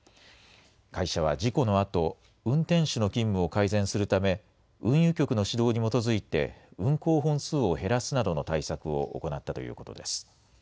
会社は事故のあと、運転手の勤務を改善するため、運輸局の指導に基づいて、運行本数を減らすなどの対策を行ったということです。